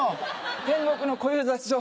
天国の小遊三師匠